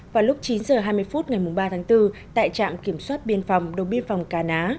vào lúc chín h hai mươi phút ngày ba tháng bốn tại trạm kiểm soát biên phòng đồn biên phòng cà ná